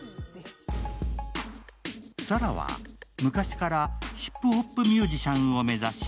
沙羅は、昔からヒップホップミュージシャンを目指し、